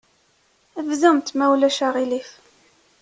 Bdumt, ma ulac aɣilif.